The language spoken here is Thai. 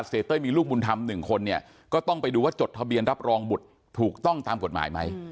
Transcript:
เต้ยมีลูกบุญธรรม๑คนเนี่ยก็ต้องไปดูว่าจดทะเบียนรับรองบุตรถูกต้องตามกฎหมายไหม